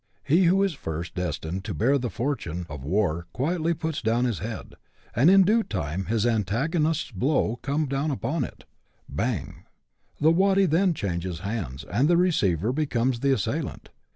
He who is first destined to bear the fortune of war quietly puts down his head, and in due time his antagonist's blow comes down upon it " bang." The waddy then changes hands, and the receiver becomes the assailant.